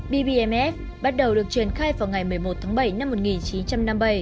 bbmf bắt đầu được triển khai vào ngày một mươi một tháng bảy năm một nghìn chín trăm năm mươi bảy